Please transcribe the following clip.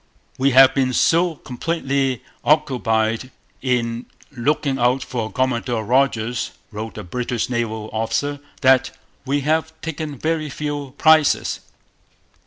'We have been so completely occupied in looking out for Commodore Rodgers,' wrote a British naval officer, 'that we have taken very few prizes.'